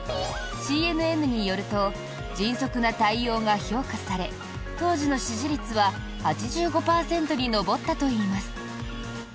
ＣＮＮによると迅速な対応が評価され当時の支持率は８５％に上ったといいます。